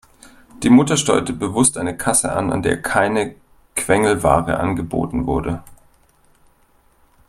Die Mutter steuerte bewusst eine Kasse an, an der keine Quengelware angeboten wurde.